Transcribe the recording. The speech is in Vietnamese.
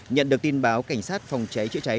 nhận được tin báo cảnh sát phòng cháy chữa cháy